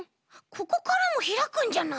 ここからもひらくんじゃない？